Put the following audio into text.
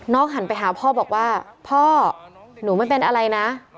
หันไปหาพ่อบอกว่าพ่อหนูไม่เป็นอะไรนะ